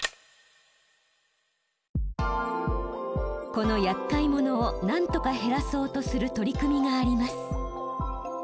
このやっかい者を何とか減らそうとする取り組みがあります。